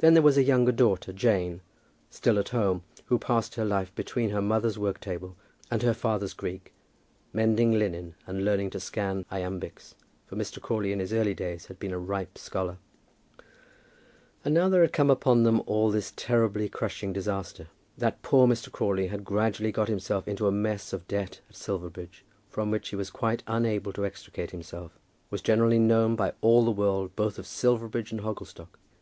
Then there was a younger daughter, Jane, still at home, who passed her life between her mother's work table and her father's Greek, mending linen and learning to scan iambics, for Mr. Crawley in his early days had been a ripe scholar. And now there had come upon them all this terribly crushing disaster. That poor Mr. Crawley had gradually got himself into a mess of debt at Silverbridge, from which he was quite unable to extricate himself, was generally known by all the world both of Silverbridge and Hogglestock.